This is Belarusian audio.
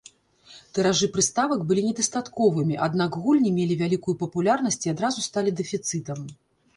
Тыражы прыставак былі недастатковымі, аднак гульні мелі вялікую папулярнасць і адразу сталі дэфіцытам.